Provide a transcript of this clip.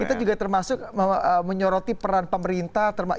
kita juga termasuk menyoroti peran pemerintah